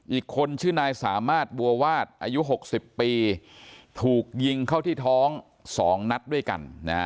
อีกคนชื่อนายสามารถบัววาดอายุ๖๐ปีถูกยิงเข้าที่ท้อง๒นัดด้วยกัน